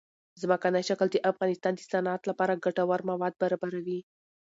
ځمکنی شکل د افغانستان د صنعت لپاره ګټور مواد برابروي.